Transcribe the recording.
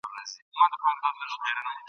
څوک ئې د قبر زیارت ته ورځي؟